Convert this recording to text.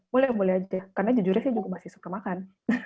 boleh boleh aja karena jujurnya saya juga masih suka makan